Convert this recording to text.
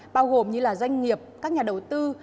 bao gồm như doanh nghiệp các nhà đầu tư